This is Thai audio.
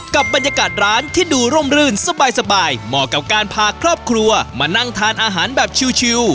กับบรรยากาศร้านที่ดูร่มรื่นสบายเหมาะกับการพาครอบครัวมานั่งทานอาหารแบบชิล